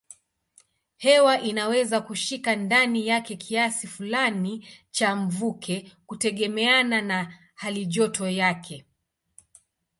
Hewa inaweza kushika ndani yake kiasi fulani cha mvuke kutegemeana na halijoto yake.